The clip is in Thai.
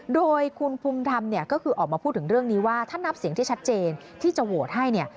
โดยคุณภูมิธรรมเนี่ยก็คือออกมาพูดถึงเรื่องนี้ว่าถ้านับเสียงที่ชัดเจนที่จะโหวตให้เนี่ย